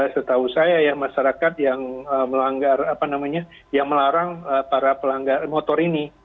setahu saya ya masyarakat yang melarang para pelanggar motor ini